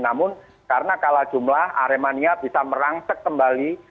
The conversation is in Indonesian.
namun karena kalah jumlah aremania bisa merangsek kembali